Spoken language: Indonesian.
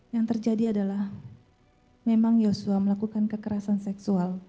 yang terjadi adalah memang yosua melakukan kekerasan seksual